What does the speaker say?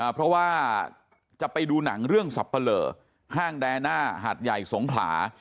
เพราะว่าจะไปดูหนังเรื่องสับปะเลอห้างแดน่าหาดใหญ่สงขลา